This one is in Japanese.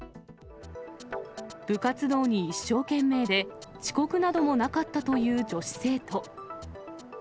部活動に一生懸命で、遅刻などもなかったという女子生徒。